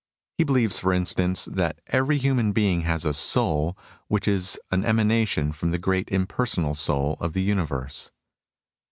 He believes, for instance, that every human being has a soul, which is an emanation from the great impersonal Soul of the universe.